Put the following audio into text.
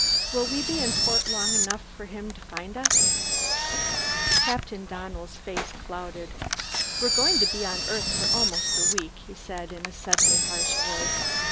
Will we be in port long enough for him to find us?" Captain Donnell's face clouded. "We're going to be on Earth for almost a week," he said in a suddenly harsh voice.